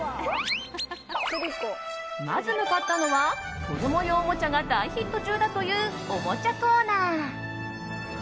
まず向かったのは子供用おもちゃが大ヒット中だというおもちゃコーナー。